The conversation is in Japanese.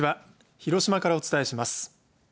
広島からお伝えします。